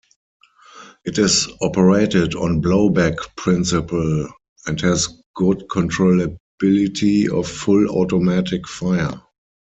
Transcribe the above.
It is operated on blowback principle and has good controllability of full automatic fire.